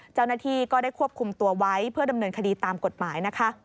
เจ้าหน้าที่ก็ได้ควบคุมตัวไว้เพื่อดำเนินคดีตามกฎหมายนะคะ